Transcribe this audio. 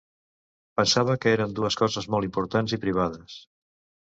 Pensava que eren dues coses molt importants i privades.